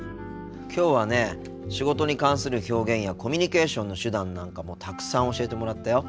きょうはね仕事に関する表現やコミュニケーションの手段なんかもたくさん教えてもらったよ。